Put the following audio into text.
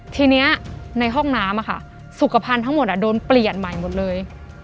ทีนี้ในห้องน้ำสุขภัณฑ์ทั้งหมดโดนเปลี่ยนใหม่หมดเลย